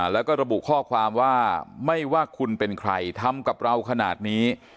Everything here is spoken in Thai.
แล้วก็ระบุข้อความว่าไม่ว่าคุณเป็นใครทำกับเราขนาดนี้